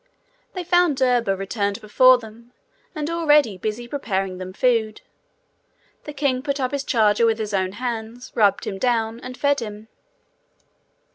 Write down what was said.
They found Derba returned before them, and already busy preparing them food. The king put up his charger with his own hands, rubbed him down, and fed him.